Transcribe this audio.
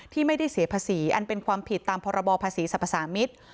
ที่ไม่ได้เสียภาษีอันเป็นความผิดตามพรบภาษีสรรพสามิตร